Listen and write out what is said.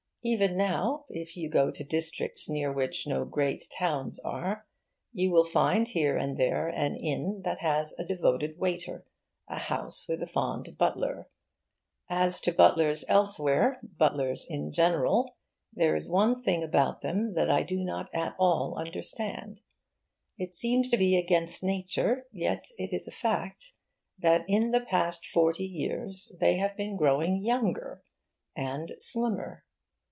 Even now, if you go to districts near which no great towns are, you will find here and there an inn that has a devoted waiter, a house with a fond butler. As to butlers elsewhere, butlers in general, there is one thing about them that I do not at all understand. It seems to be against nature, yet it is a fact, that in the past forty years they have been growing younger; and slimmer.